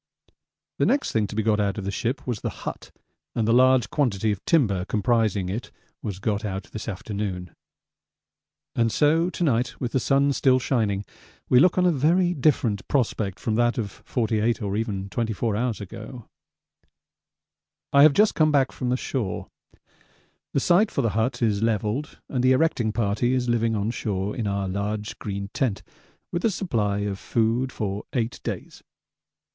The next thing to be got out of the ship was the hut, and the large quantity of timber comprising it was got out this afternoon. And so to night, with the sun still shining, we look on a very different prospect from that of 48 or even 24 hours ago. I have just come back from the shore. The site for the hut is levelled and the erecting party is living on shore in our large green tent with a supply of food for eight days.